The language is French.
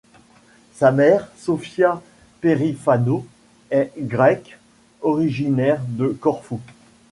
Sa mère, Sofia Perifano, est grecque originaire de Corfou.